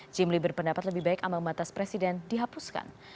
jimli berpendapat lebih baik ambang batas presiden dihapuskan